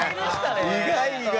意外、意外。